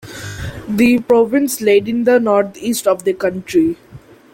The province laid in the northeast of the country.